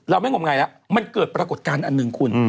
ไม่งมงายแล้วมันเกิดปรากฏการณ์อันหนึ่งคุณ